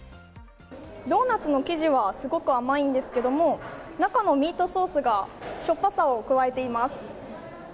ドーナツの生地はすごく甘いんですけれども中のミートソースがしょっぱさを加えています。